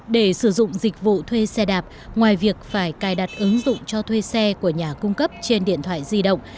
để sử dụng dịch vụ thuê xe đạp ngoài việc phải cài đặt ứng dụng cho thuê xe của nhà cung cấp trên điện thoại di động